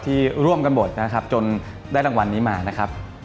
ที่ร่วมกันหมดนะครับจนได้รางวัลนี้มานะครับ